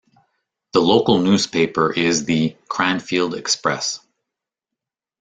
The local newspaper is the "Cranfield Express".